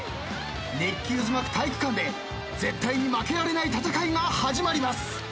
熱気渦巻く体育館で絶対に負けられない戦いが始まります。